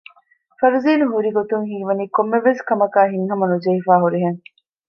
ފަރުޒީނު ހުރިގޮތުން ހީވަނީ ކޮންމެވެސް ކަމަކާއި ހިތްހަމަ ނުޖެހިފައި ހުރިހެން